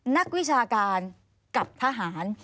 นักวิชาการกับทหาร